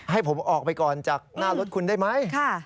ให้ผมออกไปก่อนจากหน้ารถคุณได้ไหม